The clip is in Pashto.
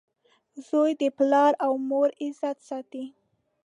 • زوی د پلار او مور عزت ساتي.